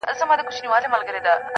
بیا ورته وایه چي ولي زه هر ځل زه یم~